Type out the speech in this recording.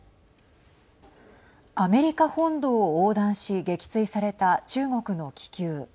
アメリカ本土を横断し撃墜された中国の気球。